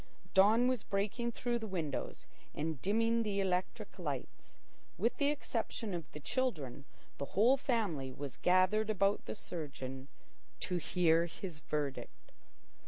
Dawn was breaking through the windows and dimming the electric lights. With the exception of the children, the whole family was gathered about the surgeon to hear his verdict.